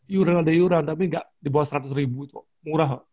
yuran ada yuran tapi nggak di bawah seratus ribu murah